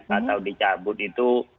atau dicabut itu